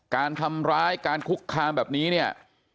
การทำร้ายการคุกคามแบบนี้เนี่ย